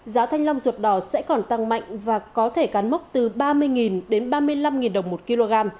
giá thanh long ruột đỏ sẽ còn tăng mạnh và có thể cán mốc từ ba mươi đến ba mươi năm đồng một kg